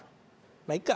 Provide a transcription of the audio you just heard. まあいいか。